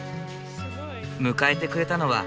迎えてくれたのは